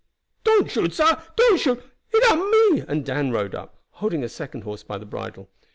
"Don't shoot, sah! Don't shoot! It am me!" and Dan rode up, holding a second horse by the bridle.